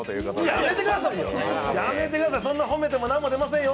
やめてくださいよ、そんな褒めても何も出ませんよ。